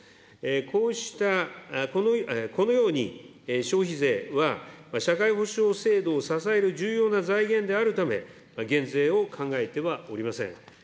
こうした、このように消費税は、社会保障制度を支える重要な財源であるため、減税を考えてはおりません。